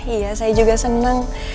iya saya juga senang